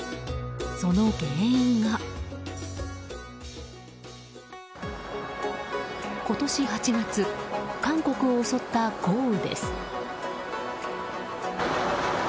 その原因が、今年８月韓国を襲った豪雨です。